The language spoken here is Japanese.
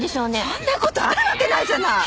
そんな事あるわけないじゃない！